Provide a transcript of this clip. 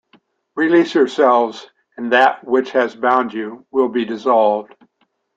Release yourselves, and that which has bound you will be dissolved.